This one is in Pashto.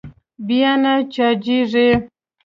بيا نه چارجېږي.